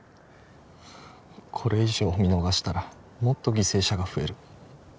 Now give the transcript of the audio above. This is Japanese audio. これ以上見逃したらもっと犠牲者が増える